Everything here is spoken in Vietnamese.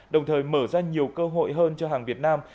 đồng thời mở ra nhiều cơ hội hơn cho hàng việt nam